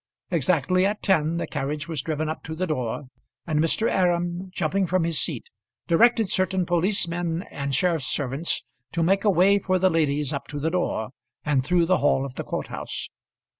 Exactly at ten the carriage was driven up to the door, and Mr. Aram jumping from his seat directed certain policemen and sheriff's servants to make a way for the ladies up to the door, and through the hall of the court house.